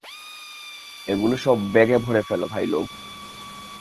এগুলো সব ব্যাগে ভরে ফেল, ভাইলোগ।